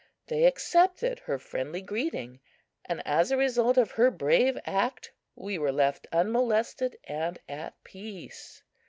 They accepted her friendly greeting; and as a result of her brave act we were left unmolested and at peace.